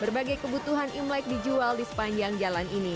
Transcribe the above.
berbagai kebutuhan imlek dijual di sepanjang jalan ini